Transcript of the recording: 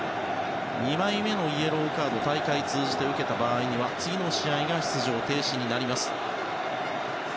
２枚目のイエローカード大会通じて受けた場合には次の試合が出場停止になります。